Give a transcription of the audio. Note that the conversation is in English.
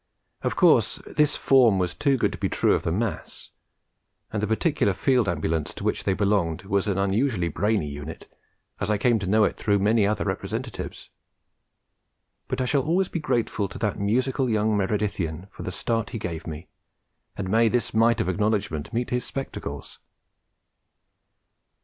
Of course, this form was too good to be true of the mass; and the particular Field Ambulance to which they belonged was an unusually brainy unit, as I came to know it through many other representatives; but I shall always be grateful to that musical young Meredithian for the start he gave me, and may this mite of acknowledgment meet his spectacles.